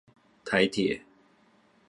台鐵